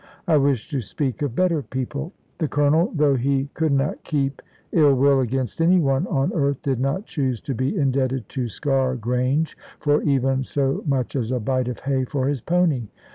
I wish to speak of better people. The Colonel, though he could not keep ill will against any one on earth, did not choose to be indebted to Sker grange for even so much as a bite of hay for his pony.